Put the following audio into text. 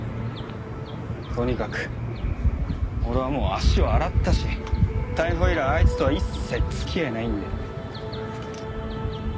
とにかく俺はもう足を洗ったし逮捕以来あいつとは一切付き合いないんで。